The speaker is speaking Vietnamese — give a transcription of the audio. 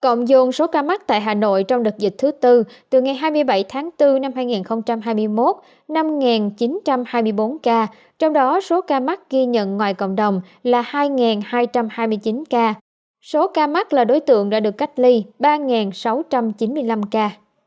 cộng dồn số ca mắc tại hà nội trong đợt dịch thứ tư từ ngày hai mươi bảy tháng bốn năm hai nghìn hai mươi một năm chín trăm hai mươi bốn ca trong đó số ca mắc ghi nhận ngoài cộng đồng là hai hai trăm hai mươi chín ca số ca mắc là đối tượng đã được cách ly ba sáu trăm chín mươi năm ca